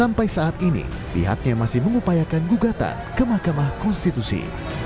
sampai saat ini pihaknya masih mengupayakan gugatan ke mahkamah konstitusi